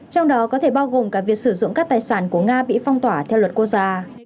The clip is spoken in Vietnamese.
trong đó có thể bao gồm cả việc sử dụng các tài sản của nga bị phong tỏa theo luật quốc gia